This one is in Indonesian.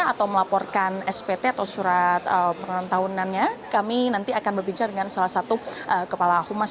atau melaporkan spt atau surat peran tahunannya kami nanti akan berbincang dengan salah satu kepala humas